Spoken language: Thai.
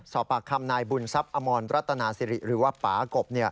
สอบปากคำนายบุญทรัพย์อมรรัตนาสิริหรือว่าป่ากบ